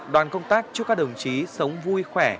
đoàn công tác chúc các đồng chí sống vui khỏe